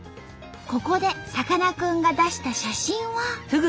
ここでさかなクンが出した写真は。